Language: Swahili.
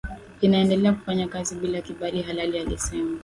inaendelea kufanya kazi bila kibali halali alisema